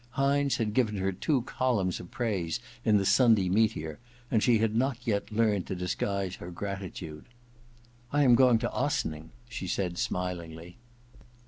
Hynes had given her two columns of praise in the Sunday Meteor ^ and she had not yet learned to disguise her gratitude. ^ I am going to Ossining,' she said smilingly.